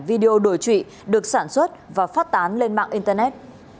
video đổi trụy được sản xuất và phát tán lên mạng internet